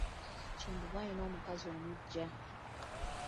Kimbugwe alina omukazi omuggya.